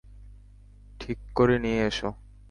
ঠিক করে নিয়ে এসো।